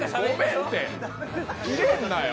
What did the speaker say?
キレんなよ。